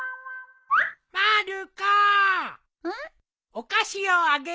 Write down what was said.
お菓子をあげよう。